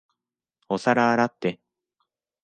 お皿洗って。